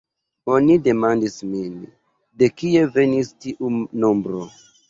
Oni demandis min, de kie venis tiu nombro.